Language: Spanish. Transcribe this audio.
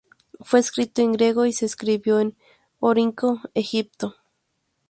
Fue escrito en griego y se descubrió en Oxirrinco, Egipto.